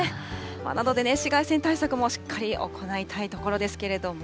なので紫外線対策もしっかり行いたいところですけれども。